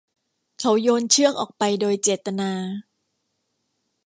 เขาโยนเชือกออกไปโดยเจตนา